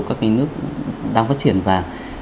các nước đang phát triển và